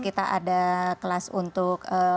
kita ada kelas untuk